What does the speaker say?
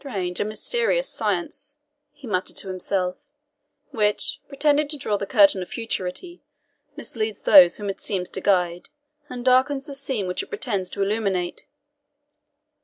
"Strange and mysterious science," he muttered to himself, "which, pretending to draw the curtain of futurity, misleads those whom it seems to guide, and darkens the scene which it pretends to illuminate!